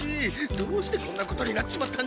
どうしてこんなことになっちまったんだ。